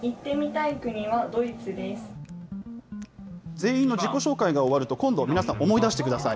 全員の自己紹介が終わると、今度、皆さん、思い出してください。